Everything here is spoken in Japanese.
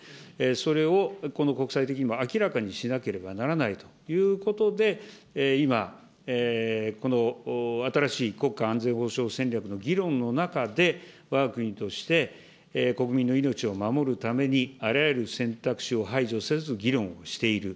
それを、この国際的にも明らかにしなければならないということで、今、この新しい国家安全保障戦略の議論の中で、わが国として国民の命を守るために、あらゆる選択肢を排除せず議論をしている。